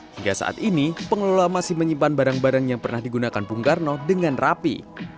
hingga saat ini pengelola masih menyimpan barang barang yang pernah digunakan bung karno dengan rapi